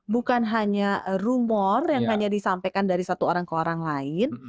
bukan hanya rumor yang hanya disampaikan dari satu orang ke orang lain